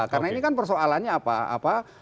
karena ini kan persoalannya apa